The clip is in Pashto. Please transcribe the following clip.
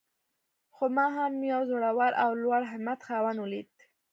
خو ما يو زړور او د لوړ همت خاوند وليد.